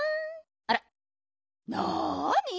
あらなに？